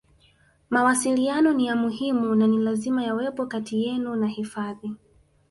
Mawasiliano ni ya muhimu na ni lazima yawepo kati yenu na hifadhi